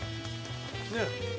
ねえ。